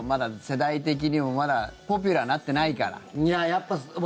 まだちょっと、世代的にもポピュラーになってないから。